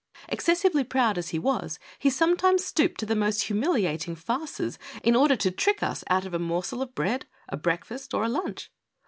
Excessively proud as he was, he sometimes stooped to the most humiliating farces in order to trick us out of a morsel of bread, a breakfast or a lunch.